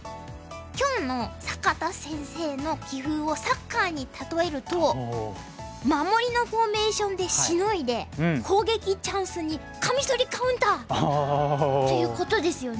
今日の坂田先生の棋風をサッカーに例えると守りのフォーメーションでしのいで攻撃チャンスにカミソリカウンター！ということですよね。